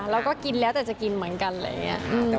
เราก็กินแล้วแต่จะกินเหมือนกันอะไรอย่างนี้